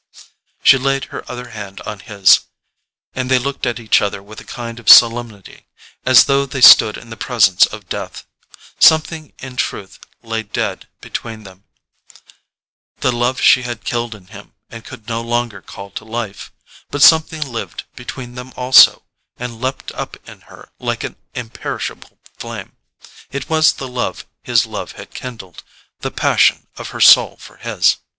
She laid her other hand on his, and they looked at each other with a kind of solemnity, as though they stood in the presence of death. Something in truth lay dead between them—the love she had killed in him and could no longer call to life. But something lived between them also, and leaped up in her like an imperishable flame: it was the love his love had kindled, the passion of her soul for his.